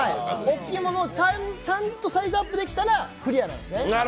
ちゃんとサイズアップできたらクリアなんですね。